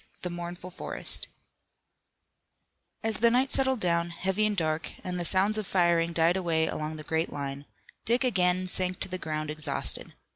THE MOURNFUL FOREST As the night settled down, heavy and dark, and the sounds of firing died away along the great line, Dick again sank to the ground exhausted.